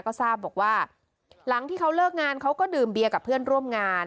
ก็ทราบบอกว่าหลังที่เขาเลิกงานเขาก็ดื่มเบียร์กับเพื่อนร่วมงาน